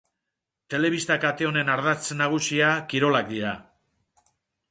Telebista kate honen ardatz nagusia kirolak dira.